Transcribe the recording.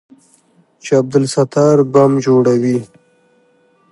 چې عبدالستار بم جوړوي.